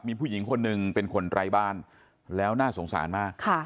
มีผู้หญิงคนหนึ่งเป็นคนไร้บ้านแล้วน่าสงสารมาก